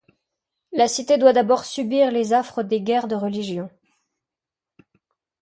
La cité doit d'abord subir les affres des guerres de religion.